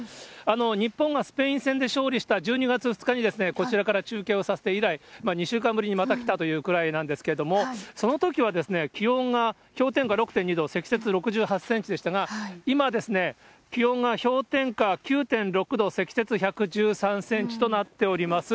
日本がスペイン戦で勝利した１２月２日に、こちらから中継をさせて以来、２週間ぶりにまた来たというくらいなんですけれども、そのときは気温が氷点下６．２度、積雪６８センチでしたが、今ですね、気温が氷点下９．６度、積雪１１３センチとなっております。